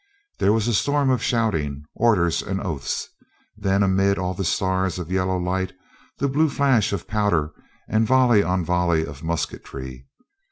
There was a storm of shouting, orders and oaths; then, amid all the stars of yellow light, the blue flash of powder and volley on volley of musketry.